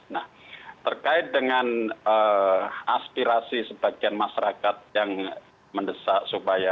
nah terkait dengan aspirasi sebagian masyarakat yang mendesak supaya